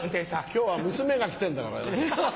今日は娘が来てんだからよ。